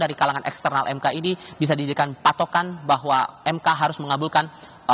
dari kalangan eksternal mk ini bisa dijadikan patokan bahwa mk harus mengabulkan